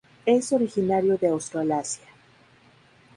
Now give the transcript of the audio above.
Es originario de Australasia.